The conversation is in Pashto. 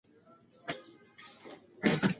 که پوهه وي نو تیاره نه خپریږي.